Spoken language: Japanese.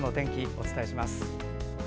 お伝えします。